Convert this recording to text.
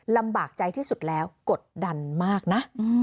ลำบากใจที่สุดแล้วกดดันมากนะ